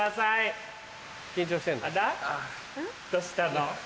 どしたの？